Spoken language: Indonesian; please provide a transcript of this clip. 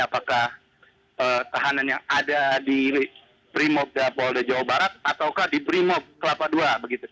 apakah tahanan yang ada di brimob polda jawa barat ataukah di brimob kelapa ii begitu